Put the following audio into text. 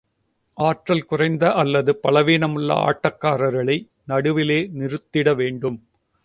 ஆற்றல் குறைந்த அல்லது பலவீனமுள்ள ஆட்டக்காரர்களை நடுவிலே நிறுத்திட வேண்டும்.